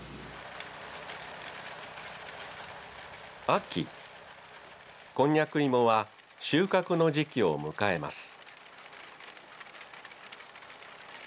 秋こんにゃく芋は収穫の時期を迎えます。